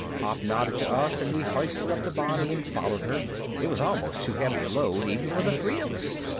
Pop nodded to us and we hoisted up the body and followed her. It was almost too heavy a load even for the three of us.